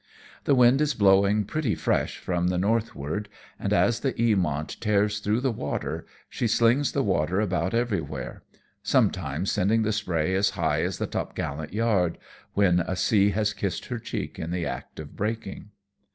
The wind is blowing pretty fresh from the north 114 AMONG TYPHOONS AND PIRATE CRABT. ward, and as the Eamont tears through the water, she slings the water about everywhere ; sometimes sending the spray as high as the topgallant yard, when a sea has kissed her cheek in the act of breaking.